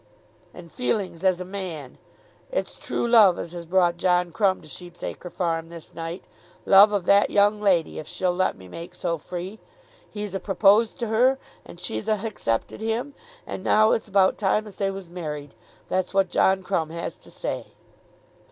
"And feelings as a man. It's true love as has brought John Crumb to Sheep's Acre farm this night; love of that young lady, if she'll let me make so free. He's a proposed to her, and she's a haccepted him, and now it's about time as they was married. That's what John Crumb has to say."